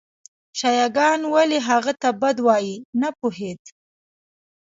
شیعه ګان ولې هغه ته بد وایي نه پوهېد.